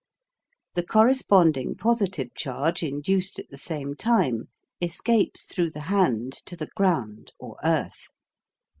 The corresponding positive charge induced at the same time escapes through the hand to the ground or "earth."